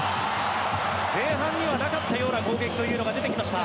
前半にはなかったような攻撃というのが出てきました。